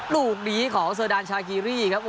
ลูกหนีของสดันชาคิรีครับ